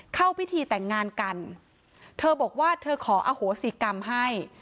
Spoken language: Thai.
เข้าพิธีแต่งงานกันเธอบอกว่าเธอขออโหสิกรรมให้